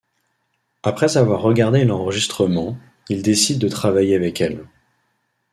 Après avoir regardé l'enregistrement, ils décident de travailler avec elle.